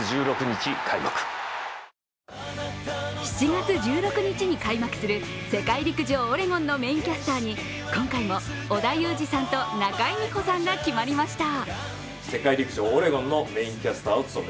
７月１６日に開幕する世界陸上オレゴンのメインキャスターに今回も織田裕二さんと中井美穂さんが決まりました。